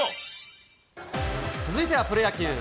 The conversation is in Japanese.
続いてはプロ野球。